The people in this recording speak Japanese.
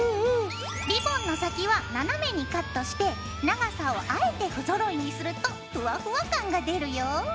リボンの先は斜めにカットして長さをあえて不ぞろいにするとふわふわ感が出るよ。